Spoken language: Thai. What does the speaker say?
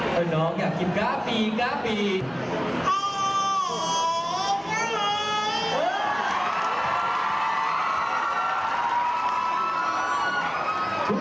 คนชอบนั่นเลยลูก